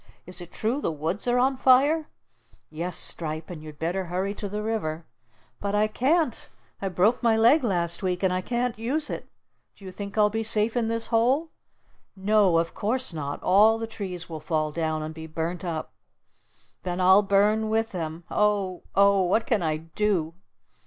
"Is it true the woods are on fire?" "Yes, Stripe, and you'd better hurry to the river." "But I can't! I broke my leg last week, and I can't use it. Do you think I'll be safe in this hole?" "No, of course not! All the trees will fall down and be burnt up." "Then I'll burn with them. Oh! Oh! What can I do?"